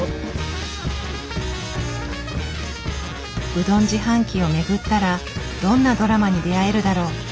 うどん自販機を巡ったらどんなドラマに出会えるだろう？